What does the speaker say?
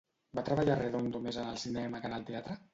Va treballar Redondo més en el cinema que en el teatre?